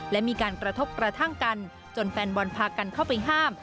และมีการกระทบกระทั่งกันจนแฟนบอลพากันเข้าไปห้าม